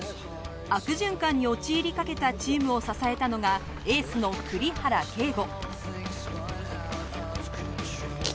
悪循環に陥りかけたチームを支えたのがエースの栗原啓吾。